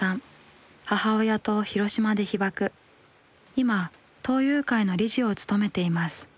今東友会の理事を務めています。